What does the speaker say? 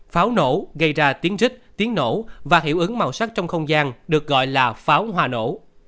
pháo nổ gây ra tiếng rích tiếng nổ và hiệu ứng màu sắc trong không gian được gọi là pháo hoa nổ